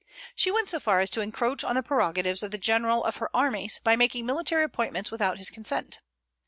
She went so far as to encroach on the prerogatives of the general of her armies, by making military appointments without his consent.